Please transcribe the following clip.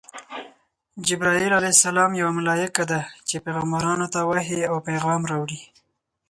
جبراییل ع یوه ملایکه ده چی پیغمبرانو ته وحی او پیغام راوړي.